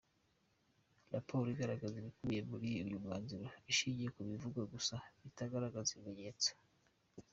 Raporo igaragaza ibikubiye muri uyu mwanzuro ishingiye ku bivugwa gusa, bitagaragaza ibimenyetso.